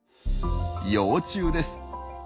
幼虫です。